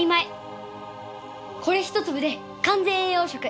これ一粒で完全栄養食！